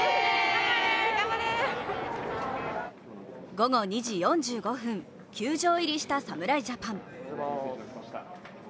午後２時４５分、球場入りした侍ジャパン。